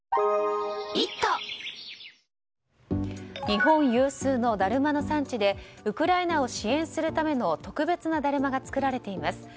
日本有数のだるまの産地でウクライナを支援するための特別なだるまが作られています。